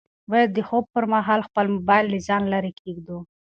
باید د خوب پر مهال خپل موبایل له ځانه لیرې کېږدو.